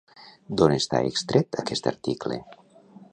D'on està extret aquest article?